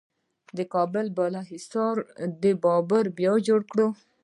د کابل بالا حصار د بابر بیا جوړ کړ